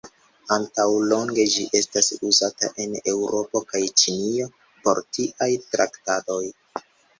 Antaŭ longe ĝi estas uzata en Eŭropo kaj Ĉinio por tiaj traktadoj.